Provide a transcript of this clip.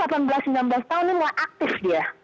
tahun ini mulai aktif dia